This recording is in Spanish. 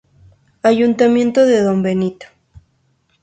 Ayuntamiento de Don Benito.